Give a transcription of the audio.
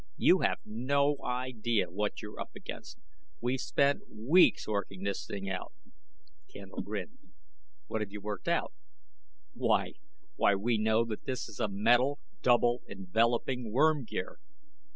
You have no idea what you're up against. We've spent weeks working this thing out " Candle grinned. "What've you worked out?" "Why why we know that this is a metal double enveloping worm gear."